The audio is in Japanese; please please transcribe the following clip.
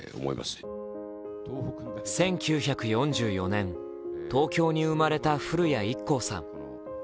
１９４４年、東京に生まれた古谷一行さん。